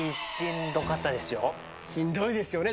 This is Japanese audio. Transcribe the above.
しんどいですよね